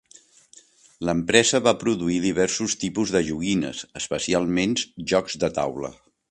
L'empresa va produir diversos tipus de joguines, especialment jocs de taula.